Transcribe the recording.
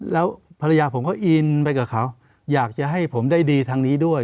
แล้วภรรยาผมก็อินไปกับเขาอยากจะให้ผมได้ดีทางนี้ด้วย